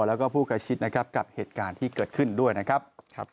และผู้กระชิดกับเหตุการณ์ที่เกิดขึ้นด้วยนะครับ